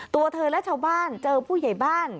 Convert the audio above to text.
ตัวเธอและชาวบ้านเจอผู้ใหญ่บ้าน